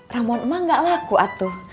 ramuan emak gak laku atuh